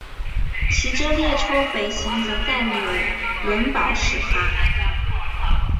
其中列车北行则在纽伦堡始发。